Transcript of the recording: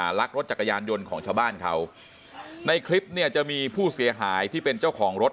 ลักรถจักรยานยนต์ของชาวบ้านเขาในคลิปเนี่ยจะมีผู้เสียหายที่เป็นเจ้าของรถ